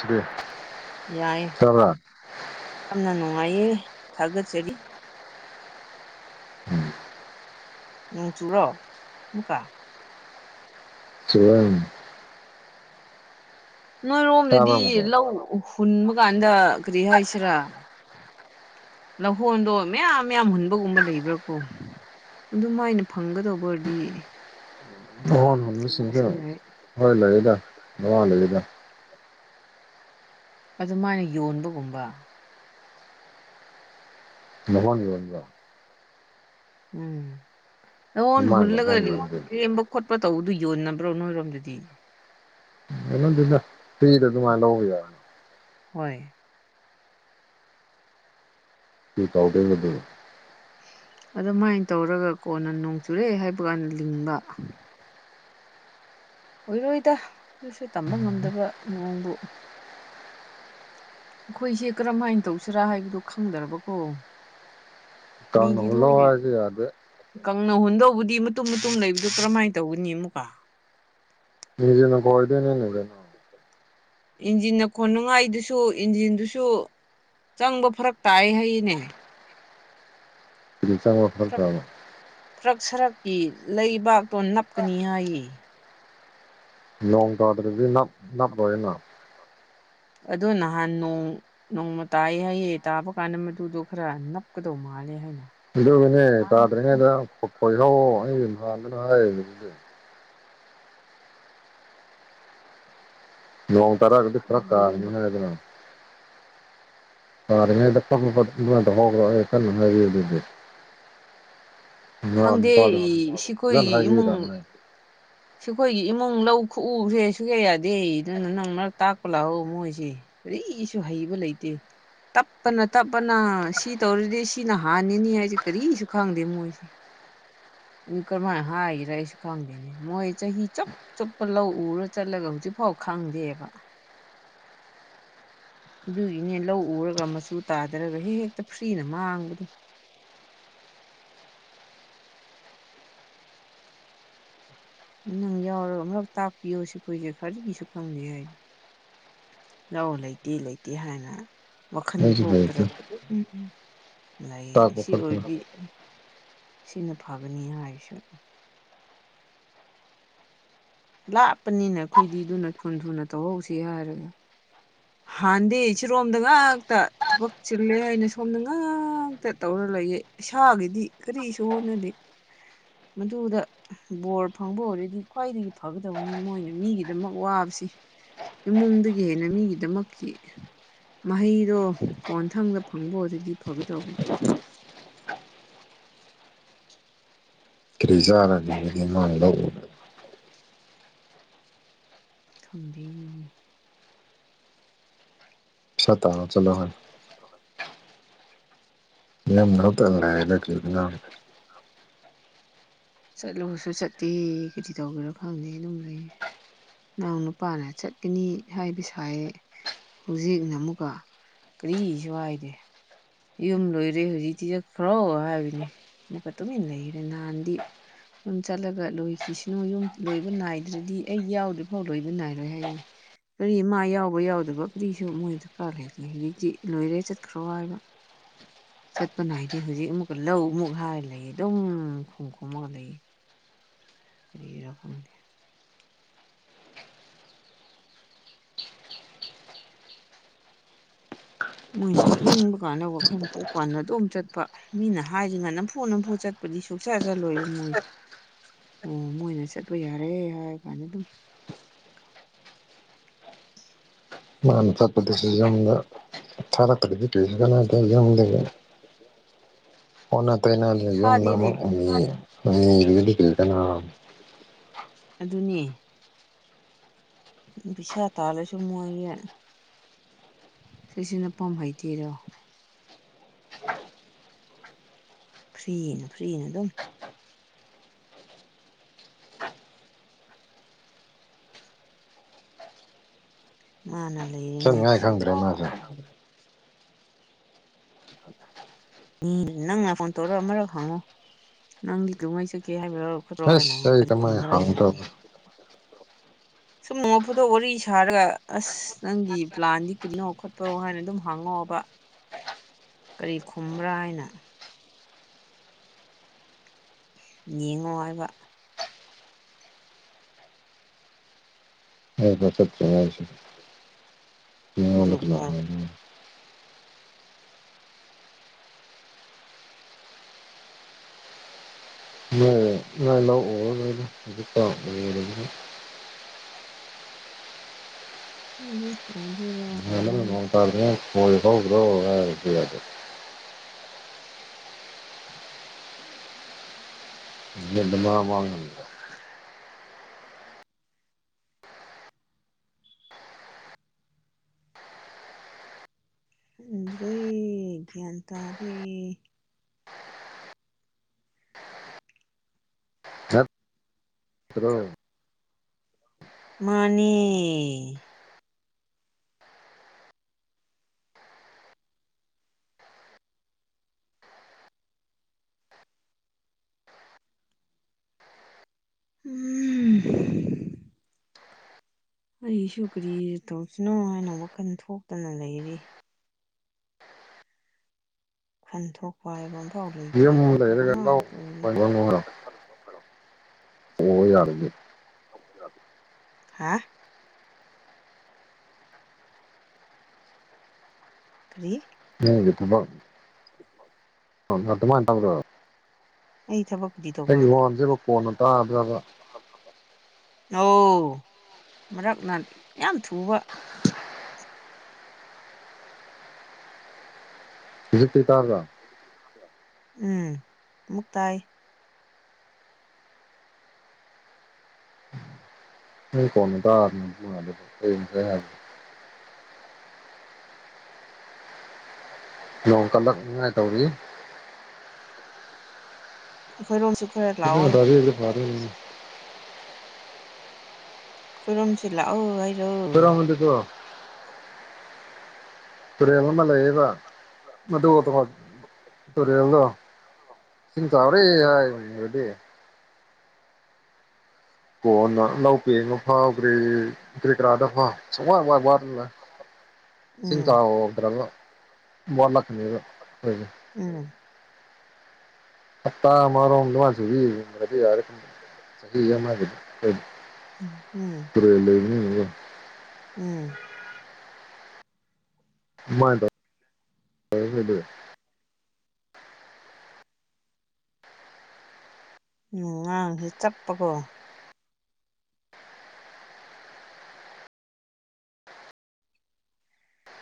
ꯁꯤꯗꯤ ꯌꯥꯏꯌꯦ ꯇꯥꯕ꯭ꯔꯥ ꯌꯥꯝꯅ ꯅꯨꯡꯉꯥꯏꯌꯦ ꯊꯥꯒꯠꯆꯔꯤ [unintelligible] ꯅꯣꯡ ꯆꯨꯔꯣ ꯑꯃꯨꯛꯀꯥ UNINTELLIGIBLE ꯇꯥꯕ꯭ꯔꯥ ꯅꯣꯏꯔꯣꯝꯗꯗꯤ ꯑꯃꯨꯛꯀ ꯂꯧ ꯍꯨꯟꯕ ꯀꯥꯟꯗ ꯀꯔꯤ ꯍꯥꯏꯁꯤꯔꯥ ꯂꯧꯍꯣꯟꯗꯣ ꯃꯌꯥꯝ ꯃꯌꯥꯝ ꯍꯨꯟꯕꯒꯨꯝꯕ ꯂꯩꯕ꯭ꯔꯥꯀꯣ ꯑꯗꯨ ꯃꯥꯏꯅ ꯐꯪꯒꯗꯧꯕ ꯑꯣꯏꯔꯗꯤ ꯊꯤꯕꯁꯨ ꯌꯥꯏ [unintelligible] ꯑꯗꯨꯃꯥꯏꯅ ꯌꯣꯟꯕꯒꯨꯝꯕ ꯂꯧꯍꯣꯟ ꯌꯣꯟꯕ꯭ꯔꯣ ꯎꯝ ꯂꯧꯍꯣꯟ ꯑꯗꯨꯃꯥꯏꯅ ꯍꯨꯟꯂꯒꯥ ꯅꯍꯣꯟ ꯌꯣꯟꯕ ꯂꯦꯝꯕ ꯈꯣꯠꯄ ꯇꯧꯕꯗꯨ ꯌꯣꯟꯅꯕ꯭ꯔꯣ ꯅꯣꯏꯔꯣꯝꯗꯗꯤ ꯌꯣꯟꯅꯘꯦꯘꯥ ꯐ꯭ꯔꯤꯘ ꯘꯨꯃꯥꯏ ꯂꯧꯕ ꯌꯥꯏꯅꯤ ꯍꯣꯏ [unintelligible] ꯑꯗꯨꯃꯥꯏꯅ ꯇꯧꯔꯒ ꯀꯣꯟꯅ ꯅꯣꯡ ꯆꯨꯔꯦ ꯍꯥꯏꯕ ꯀꯥꯟꯗ ꯂꯤꯡꯕ ꯑꯣꯏꯔꯣꯏꯗ ꯑꯗꯨꯁꯨ ꯇꯝꯕ ꯉꯝꯗꯕ ꯅꯣꯡꯕꯨ ꯑꯩꯈꯣꯏꯁꯦ ꯀꯔꯝꯍꯥꯏꯅ ꯇꯧꯁꯤꯔꯥ ꯍꯥꯏꯕꯗꯨ ꯈꯪꯗ꯭ꯔꯕꯀꯣ ꯃꯤ ꯀꯥꯡꯅ ꯍꯨꯜꯂꯣ ꯒꯤꯂꯣꯏꯅ ꯍꯥꯏꯔꯁꯨ ꯌꯥꯗꯦ ꯀꯪꯅ ꯍꯨꯟꯗꯧꯕꯗꯤ ꯃꯇꯨꯝ ꯃꯇꯨꯝ ꯂꯩꯕꯗꯨ ꯀꯔꯝꯍꯥꯏꯅ ꯇꯧꯒꯅꯤ ꯑꯃꯨꯛꯀ UNINTELLIGIBLE [unintelligible] ꯏꯟꯖꯤꯟꯅ ꯈꯣꯟꯅꯉꯥꯏꯗꯨꯁꯨ ꯏꯟꯖꯤꯟꯗꯨꯁꯨ ꯆꯪꯕ ꯐꯔꯛ ꯇꯥꯏ ꯍꯌꯦꯅꯦ ꯀꯔꯤ ꯆꯥꯡꯕ ꯐꯔꯛ ꯇꯕꯥ ꯊꯔꯛ ꯁꯔꯛꯀꯤ ꯂꯩꯕꯥꯛꯇꯣ ꯅꯞꯀꯅꯤ ꯍꯥꯏꯌꯦ ꯅꯣꯡ ꯇꯥꯗ꯭ꯔꯗꯤ ꯅꯞ ꯅꯞꯂꫭꯏꯅ ꯑꯗꯨ ꯅꯍꯥꯟ ꯅꯣꯡ ꯅꯣꯡꯃ ꯇꯥꯏꯑꯦ ꯍꯥꯏꯑꯦ ꯇꯥꯕ ꯀꯥꯟꯗ ꯃꯗꯨꯗꯣ ꯈꯔ ꯅꯞꯀꯗꯧ ꯃꯥꯜꯂꯦ ꯍꯥꯏꯅ ꯑꯗꯨꯒꯅꯦ ꯍꯥꯏ ꯇꯗ꯭ꯔꯤꯉꯩꯗ ꯀꯣꯏꯁꯥꯎ ꯑꯩ ꯃꯥꯟꯕꯅ ꯍꯥꯏ [unintelligible] ꯅꯣꯡ ꯇꯥꯔꯛꯑꯒꯗꯤ ꯈꯔ ꯈꯪꯗꯦ ꯇꯥꯔꯅꯤ ꯍꯥꯏꯗꯅ ꯇꯔ ꯃꯗ ꯍ꯭ꯔ ꯀ ꯍꯥꯏꯕꯤꯦ ꯈꯪꯗꯦ ꯐꯖꯅ ꯁꯤꯈꯣꯏꯒꯤ ꯏꯃꯨꯡ ꯍꯥꯏꯕꯤꯔꯝꯃꯦ ꯁꯨꯈꯣꯏꯒꯤ ꯏꯃꯨꯡ ꯂꯧ ꯈꯨꯛꯎꯁꯦ ꯁꯨꯛꯌꯥ ꯌꯥꯗꯦ ꯑꯗꯨꯅ ꯅꯪ ꯃꯔꯛ ꯇꯥꯛꯄ ꯂꯥꯛꯑꫭ ꯃꯣꯏꯁꯦ ꯑꯩ ꯏꯁꯨ ꯍꯩꯕ ꯂꯩꯇꯦ ꯇꯞꯄꯅ ꯇꯞꯄꯅ ꯁꯤ ꯇꯧꯔꯗꯤ ꯁꯤꯅ ꯍꯥꯟꯅꯤꯅꯤ ꯍꯥꯏꯁꯦ ꯀꯔꯤꯁꯨ ꯈꯪꯗꯦ ꯃꯣꯏꯁꯦ ꯀꯔꯃ ꯍꯥꯥ ꯏꯔ ꯁ ꯈꯥꯗꯅꯦ ꯃꯣꯏ ꯆꯍꯤ ꯆꯞ ꯆꯨꯞꯄ ꯂꯧ ꯎꯔ ꯆꯠꯂꯒ ꯍꯧꯖꯤꯛꯐꯥꯎ ꯈꯪꯗꯦꯕ ꯑꯗꯨꯒꯤꯅꯦ ꯂꯧ ꯎꯔꯒ ꯃꯆꯨ ꯇꯥꯗꯔꯒ ꯍꯦꯛ ꯍꯦꯛꯇ ꯐ꯭ꯔꯤꯅ ꯃꯥꯡꯕꯗꯣ ꯅꯪ ꯌꯥꯎꯔ ꯑꯃꯨꯔꯛ ꯇꯥꯛꯄꯤꯌꯣ ꯁꯤꯈꯣꯏꯁꯦ ꯀꯔꯤꯁꯨ ꯈꯪꯗꯦ ꯍꯥꯏꯅ ꯂꯧ ꯂꯩꯇꯦ ꯂꯩꯇꯦ ꯍꯥꯏꯅ ꯋꯥꯈꯜ ꯑꯩꯁꯨ ꯍꯩꯇꯦ ꯊꯣꯛꯇ꯭ꯔꯒ ꯑꯘꯨꯝ ꯂꯩꯌꯦ ꯇꯥꯛꯄ ꯁꯤ ꯈꯣꯠꯄ ꯑꯣꯏꯔꯗꯤ ꯁꯤꯅ ꯐꯒꯅꯤ ꯍꯥꯏꯁꯤ ꯂꯥꯞꯄꯅꯤꯅ ꯑꯩꯈꯣꯏꯗꯤ ꯑꯗꯨꯅ ꯊꯨꯅ ꯊꯨꯅ ꯇꯧꯍꯧꯁꯤ ꯍꯥꯏꯔꯒ ꯍꯥꯟꯅꯗꯤ ꯏꯆꯤꯔꯣꯝꯗ ꯉꯥꯛꯇ ꯊꯕꯛ ꯆꯤꯜꯂꯦ ꯍꯥꯏꯅ ꯁꯣꯝꯗ ꯉꯥꯛꯇ ꯇꯧꯔ ꯂꯩꯌꯦ ꯏꯁꯥꯒꯤꯗꯤ ꯀꯔꯤꯁꯨ ꯍꯣꯠꯅꯔꯤ ꯃꯗꯨꯗ ꯕꯣꯔ ꯐꯪꯕ ꯑꯣꯏꯔꯗꯤ ꯈ꯭ꯋꯥꯏꯗꯒꯤ ꯐꯒꯗꯕꯅꯤ ꯃꯣꯏꯅ ꯃꯤꯒꯤꯗꯃꯛ ꯋꯥꯕꯁꯤ ꯏꯃꯨꯡꯗꯨꯒꯤ ꯍꯦꯟꯅ ꯃꯤꯒꯤ ꯑꯗꯨꯃꯛꯀꯤ ꯃꯍꯩꯗꯣ ꯀꯣꯟꯊꯪꯗ ꯐꯪꯕ ꯑꯣꯏꯔꯗꯤ ꯐꯒꯗꯧꯕ [inaudible] ꯀꯔꯤ ꯆꯥꯔꯅꯤꯃꯥꯡ ꯂꯧꯎꯕ ꯈꯪꯗꯦ ꯑ ꯇꯥꯣ ꯆꯂꯣ ꯍꯣꯏ [unintelligible] ꯌꯥꯝ ꯃꯔꯛꯇꯔꯑꯗꯅ ꯆꯠꯂꯨꯔꯁꯨ ꯆꯠꯇꯦ ꯀꯩꯗꯤ ꯇꯧꯒꯦꯔꯣ ꯈꯪꯗꯦ ꯑꯗꯨꯝ ꯂꯩꯌꯦ ꯅꯪ ꯅꯨꯄꯥꯅ ꯆꯠꯀꯅꯤ ꯍꯥꯏꯕꯁꯨ ꯍꯥꯏ ꯍꯧꯖꯤꯛꯅ ꯑꯃꯨꯛꯀ ꯀꯔꯤꯁꯨ ꯍꯥꯏꯗꯦ ꯌꯨꯝ ꯂꯣꯏꯔꯦ ꯍꯧꯖꯤꯛꯇꯤꯖ ꯈꯔꯥꯎ ꯍꯥꯏꯕꯅꯦ ꯑꯃꯨꯛꯀ ꯇꯨꯃꯤꯟꯅ ꯂꯩꯈꯔꯦ ꯅꯍꯥꯟꯗꯤ ꯌꯨꯝ ꯆꯠꯂꯒ ꯂꯣꯏꯈꯤꯁꯤꯅꯨ ꯌꯨꯝ ꯂꯣꯏꯕ ꯅꯥꯏꯗ꯭ꯔꯗꯤ ꯑꯩ ꯌꯥꯎꯗ꯭ꯔꯤꯐꯥꯎ ꯂꯣꯏꯕ ꯅꯥꯏꯔꯣꯏ ꯍꯥꯏꯌꯦ ꯀꯔꯤ ꯃꯥ ꯌꯥꯎꯕ ꯌꯥꯎꯗꯕ ꯀꯔꯤꯁꯨ ꯃꯣꯏ ꯗꯔꯀꯥꯔ ꯂꯩꯒꯦ ꯍꯧꯖꯤꯛꯇꯤ ꯂꯣꯏꯔꯦ ꯆꯠꯈ꯭ꯔꯣ ꯍꯥꯏꯕ ꯆꯠꯄ ꯅꯥꯏꯗꯤ ꯍꯧꯖꯤꯛ ꯑꯃꯨꯛꯀ ꯂꯧ ꯑꯃꯨꯛ ꯍꯥꯏꯔꯒ ꯂꯩꯌꯦ ꯑꯗꯨꯝ ꯈꯣꯝ ꯈꯣꯝꯃꯒ ꯂꯩꯌꯦ ꯀꯔꯤꯔꯗ ꯃꯣꯏꯅ ꯆꯠꯅꯤꯡꯕ ꯀꯥꯟꯗ ꯋꯥꯈꯜꯄꯥꯟꯅ ꯑꯗꯨꯝ ꯆꯠꯄ ꯃꯤꯅ ꯍꯥꯏꯁꯤ ꯉꯥ ꯅꯝꯐꯨ ꯅꯝꯐꯨ ꯆꯠꯄꯗꯤ ꯁꯨꯆ ꯆꯜꯂꯣꯏꯕ ꯃꯣꯏ ꯑꯣ ꯃꯣꯏꯅ ꯆꯠꯄ ꯌꯥꯔꯦ ꯍꯥꯏꯔ ꯀꯥꯟꯗ ꯑꯗꯨꯝ ꯃꯥꯅ ꯇꯠꯄꯗꯁꯨ ꯌꯨꯝꯗ ꯊꯥꯔꯛꯇ꯭ꯔꯗꯤ ꯀꯤꯔ ꯀꯗ ꯌꯨꯝꯗꯒꯤ ꯑꯣꯟꯅ ꯇꯩꯅ ꯊꯥꯗꯦꯅꯦ [unintelligible] ꯑꯗꯨꯅꯦ ꯄꯕꯤꯁꯥ ꯇꯥꯜꯂꯦꯁꯨ ꯃꯣꯏꯌꯦ ꯁꯤꯁꯤꯅ ꯄꯝ ꯍꯩꯇꯦꯔꯣ ꯐ꯭ꯔꯤꯅ ꯐ꯭ꯔꯤꯌꯦꯅ ꯑꯗꯨꯝ ꯃꯥꯅ ꯆꯠꯅꯤꯡꯉꯥꯏ ꯂꯩꯔꯤꯉꯩꯗꯨꯁꯨ ꯈꯪꯗ꯭ꯔꯦ ꯃꯥꯁꯦ ꯑꯗꯨꯝ ꯎ ꯅꯪ ꯉ ꯐꯣꯟ ꯇꯧꯔꯛ ꯃꯔꯣ ꯍꯪꯉꯣ ꯅꯪꯒꯤ ꯀꯉꯩ ꯆꯀꯦ ꯍꯥꯏꯕ꯭ꯔꯥ ꯈ꯭ꯔꯣ ꯍꯥꯏꯅ ꯑꯁ ꯑꯩ ꯀꯔꯤ ꯀꯃꯥꯏꯅ ꯈꯨꯝꯕ꯭ꯔꯥ ꯌꯦꯡ ꯍꯪꯗꯧꯕ [inaudible] ꯁꯨꯝ ꯃꯐꯨꯗꯣ ꯋꯥꯔꯤ ꯁꯥꯔꯒ ꯑꯁ ꯅꯪꯒꯤ ꯄ꯭ꯂꯥꯟꯗꯤ ꯀꯩꯅꯣ ꯈꯣꯠꯄꯔꯣ ꯍꯥꯏꯅ ꯑꯗꯨꯝ ꯍꯥꯡꯉꯛꯕ ꯀꯔꯤ ꯈꯨꯝꯕ꯭ꯔꯥ ꯍꯥꯏꯅ ꯌꯦꯡꯉꯣ ꯍꯥꯏꯕ ꯍ ꯐꯁꯤ ꯑꯗꯨꯕꯨ ꯍꯥꯏ [inaudible] [inaudible] ꯢꯂꯤꯢ ꯑꯣꯏꯗꯨꯏꯔꯥ ꯑꯣꯏꯔꯣꯏꯗꯨꯏꯔꯥ ꯃ ꯐꯥꯎ ꯀ꯭ꯔꯣ ꯀꯔꯦ [inaudible] ꯃꯤꯅꯥꯠ ꯃꯉꯥ ꯃꯉꯥ ꯈꯪꯗ꯭ꯔꯦ ꯒꯌꯥꯟ ꯇꯥꯗꯦ ꯇꯔꯣ ꯃꯥꯅꯤ ꯎꯝ ꯑꯩꯁꯨ ꯀꯔꯤ ꯇꯧꯁꯤꯅꯣ ꯍꯥꯏꯅ ꯋꯥꯈꯜ ꯊꯣꯛꯇꯅ ꯂꯩꯔꯤ ꯈꯟ ꯊꯣꯛꯄ ꯍꯥꯏꯕ ꯑꯃꯐꯥꯎ ꯂꯩꯇ꯭ꯔꯦ ꯌꯨꯝ ꯊꯣꯛꯇꯕꯄ ꯂꯩꯔꯒ ꯉꯥꯛꯇ ꯑꯣꯏꯔꯦ ꯑꯣ ꯌꯥꯔꯒ ꯍꯥ ꯀ꯭ꯔꯤ ꯀ꯭ꯔꯤꯒꯤ ꯊꯥꯕꯛ ꯑꯗꯨꯃꯅ ꯇꯝ꯭ꯔꯣ ꯑꯩ ꯊꯕꯛꯗꯤ ꯑꯩꯒꯤ ꯍꯣꯟꯁꯤꯦꯕ ꯀꯣꯟꯅ ꯇꯥꯗ꯭ꯔꯕ ꯑꯣꯧ ꯃꯔꯛꯅ ꯌꯥꯝ ꯊꯨꯕ ꯍꯧꯖꯤꯛꯇꯤ ꯇꯥꯔꯗ ꯎꯝ ꯑꯃꯨꯛ ꯇꯥꯏ [inaudible] ꯃꯤ ꯀꯣꯅꯗꯔ ꯍꯥꯏ ꯅꯣꯡ ꯀꯥꯟꯅ ꯇꯥꯢ ꯑꯩꯈꫭꯏ ꯔꯣꯝꯁꯨ ꯈꯔ ꯂꯥꯎꯑꯣ ꯑꯗꯨꯅ ꯐꯗꯨꯢꯅꯤ ꯑꯈꯣꯢꯔꯣꯝꯁꯨ ꯂꯥꯛꯑꯣ ꯍꯥꯏꯔꯣ ꯐꯨꯔꯍꯗꯤ ꯀꯣ [inaudible] ꯇꯨꯔꯦꯜ ꯑꯃ ꯂꯩꯌꯦꯕ ꯃꯗꯨ ꯇꯨꯔꯦꯜꯗꯣ ꯢꯁꯤꯡ ꯆꯧꯔꯦ ꯍꯥꯢꯈꯔꯗꯤ ꯀꯣꯟꯅ ꯂꯧ ꯄꯦꯡꯕ ꯐꯥꯎꯈꯔꯦ ꯀ꯭ꯔꯤ ꯀꯔꯥꯗꯣ ꯋꯥ ꯋꯥ ꯁꯨꯡꯋꯥ ꯋꯥꯗꯅ ꯢꯁꯤꯡ ꯎꯝ ꯆꯧꯈꯔꯝꯅꯤꯅ ꯋꯥꯠꯂꯛꯅꯤꯕꯥ ꯑꯩꯈꯣꯢꯒꯤ ꯎꯝ ꯍꯥꯠꯇꯥ ꯑꯃꯥꯔꯣꯝꯕꯨ ꯆꯨꯕꯤꯔꯗꯤ ꯌꯥꯔꯦ ꯎꯝ ꯇꯨꯔꯦꯜ ꯂꯩꯕꯅꯤꯅꯒꯣ ꯎꯝ ꯃꯥ ꯇꯗ [inaudible] ꯎꯝ ꯅꯪ ꯉꯥꯡꯢꯁꯤ ꯆꯠꯄꯀꯣ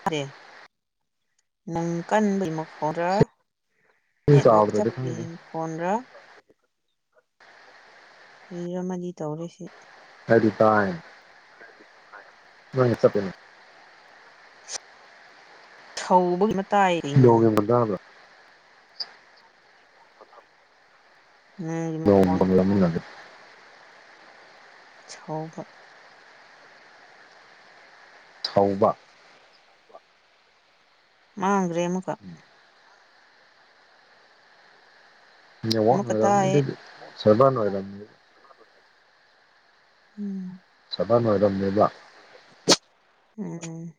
ꯑꯦ ꯅꯪꯡ ꯀꯥꯟꯕꯩ ꯃꯈꯣꯟꯔꯥ ꯏꯁꯤꯡ ꯅꯦꯠꯋꯛ ꯆꯥꯎꯗ꯭ꯔꯗꯤ ꯈꯪꯗꯦ ꯆꯥꯞꯄꯩ ꯃꯈꯣꯟꯔ ꯀꯨꯔꯤꯔ ꯑꯃꯗꯤ ꯇꯧꯔꯦꯁꯤ ꯈꯔꯗꯤ ꯇꯥꯏ ꯈꯔꯗꯤ ꯇꯥꯢ ꯀꯃꯥꯢꯅ ꯆꯥꯞꯄꯤꯆꯣ ꯊꯧꯕꯒꯤ ꯃꯇꯥꯏꯔꯛꯏꯅꯣ ꯐ [inaudible] ꯅꯪꯒꯤ ꯅꯣꯡ ꯃꯈꯣꯟ ꯃꯈꯣꯟꯒꯨꯝꯕ ꯂꯥꯡꯃꯤꯟꯅꯕ ꯁꯧꯕ ꯊꯧꯕ ꯃꯥꯥꯡꯒ꯭ꯔꯦ ꯑꯃꯨꯀ ꯃ ꯋꯥ ꯑꯃꯨꯛꯀ ꯇꯥꯏꯌꯦ ꯏꯔꯝꯃꯤꯗꯗꯤ ꯁꯔꯕꯥ ꯏꯔꯝꯅꯤꯗꯤ ꯎꯝ ꯆꯕꯅ ꯑꯣꯏꯔꯝꯃꯦꯕ ꯎꯝ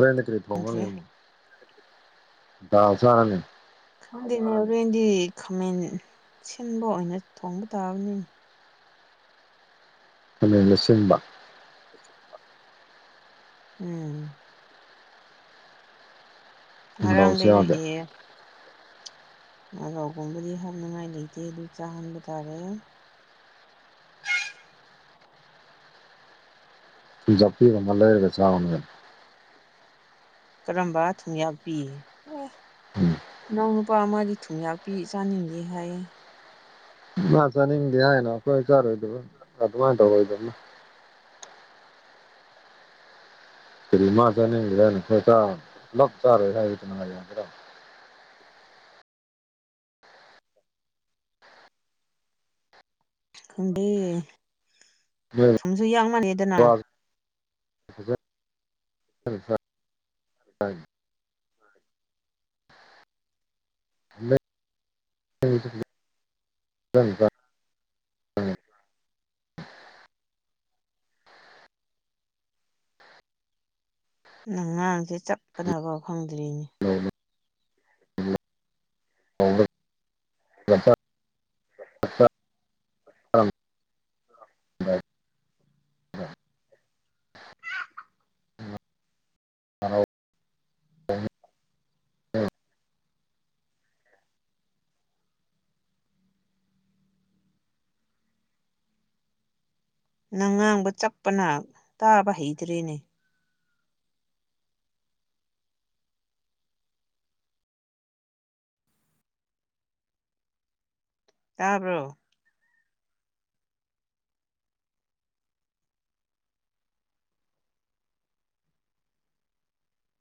ꯔꯅ ꯀꯔꯤꯉ ꯆꯥꯦ ꯈꯪꯗꯦꯅꯦ ꯍꯣꯔꯦꯟꯦꯟꯗꯤ ꯈꯥꯃꯦꯟ ꯁꯤꯟꯕ ꯑꯣꯏꯅ ꯊꯣꯡꯕ ꯇꯥꯕꯅꯤꯅꯦ ꯈꯃꯦꯟꯅꯆꯤꯡꯕ ꯎꯝ ꯉꯔꯥꯡ ꯃꯣꯔꯣꯛꯁꯨ ꯌꯥꯎꯗꯦ ꯂꯩꯔꯛꯑꯦ ꯑꯂꯨꯒꯨꯝꯕꯗꯤ ꯍꯥꯞꯅꯤꯡꯉꯥꯏ ꯂꯩꯇꯦ ꯑꯗꯨ ꯆꯥꯍꯟꯕ ꯇꯥꯔꯦ ꯊꯨꯝꯌꯥꯛꯄꯤ ꯑꯃꯥ ꯂꯩꯔꯒꯥ ꯆꯥꯎꯅꯦ ꯀꯔꯝꯕ ꯊꯨꯝꯌꯥꯛ ꯄꯤ ꯎꯝ ꯏꯅꯥꯎ ꯅꯨꯄꯥ ꯑꯃꯗꯤ ꯊꯨꯝꯌꯥꯛꯄꯤ ꯆꯥꯅꯤꯡꯗꯦ ꯍꯥꯏꯌꯦ ꯃꯥ ꯆꯥꯅꯤꯡꯗꯦ ꯍꯥꯏꯅ ꯑꯩꯈꯣꯏ ꯆꯥꯔꯣꯏꯗꯕ ꯑꯗꯨꯃꯥꯏꯅ ꯇꯧꯔꯣꯏꯗꯕꯅꯤ ꯀꯔꯤꯃꯥ ꯆꯥꯅꯤꯡꯒ꯭ꯔꯅ ꯈꯣꯏ ꯆꯥ ꯂꯞ ꯆꯥꯔꯣꯏ ꯍꯥꯏꯕ ꯅꯨꯡꯉꯥꯏ ꯌꯥꯗ꯭ꯔꯥ ꯈꯪꯗꯦ ꯎꯝ ꯊꯨꯝꯁꯨ ꯌꯥꯛꯃꯜꯂꯦꯗꯅ ꯎꯝꯝ ꯝ [unintelligible] ꯅꯪ ꯉꯥꯡꯁꯦ ꯆꯞꯄꯗꯅꯕ ꯐꯪꯗ꯭ꯔꯤꯅꯤ ꯒ [unintelligible] UNINTELLIGIBLE ꯑꯥꯎ ꯎꯝ INAUDIBLE ꯅ ꯉꯥꯡꯕ ꯆꯞꯄꯅ ꯇꯥꯕ ꯍꯩꯇ꯭ꯔꯦꯅꯦ ꯇꯥꯔꯕꯣ